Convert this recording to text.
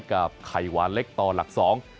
กับไข่หวานเล็กต่อหลักสอง